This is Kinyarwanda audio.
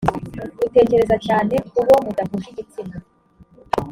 utekereza cyane ku bo mudahuje igitsina